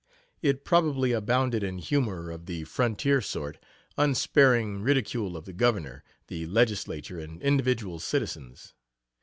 It probably abounded in humor of the frontier sort unsparing ridicule of the Governor, the Legislature, and individual citizens.